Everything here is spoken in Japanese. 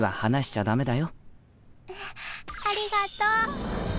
ありがとう。